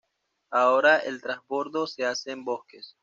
Ahora el transbordo se hace en Bosques.